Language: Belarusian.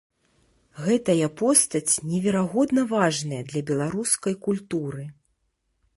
Гэтая постаць неверагодна важная для беларускай культуры.